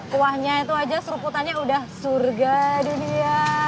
kuahnya itu aja seruputannya udah surga dunia